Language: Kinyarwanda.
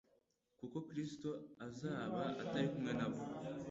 kuko Kristo azaba atari kumwe nabo,